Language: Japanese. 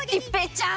ちゃーん！